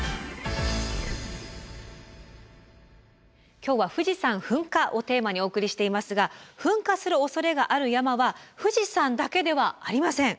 今日は「富士山噴火」をテーマにお送りしていますが噴火するおそれがある山は富士山だけではありません。